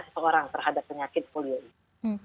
seseorang terhadap penyakit polio ini